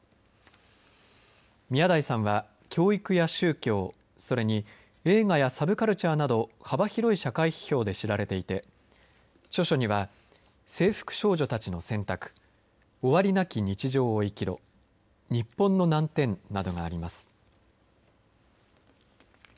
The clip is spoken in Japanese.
宮台さんは教育や宗教それに映画やサブカルチャーなど幅広い社会批評で知られていて著書には「制服少女たちの選択」「終わりなき日常を生きろ」「日本の難点」などがあります。